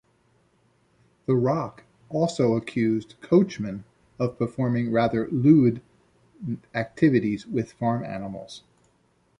The Rock also accused Coachman of performing rather lewd activities with farm animals.